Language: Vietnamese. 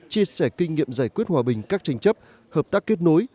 chia sẻ kinh nghiệm giải quyết hòa bình các tranh chấp hợp tác kết nối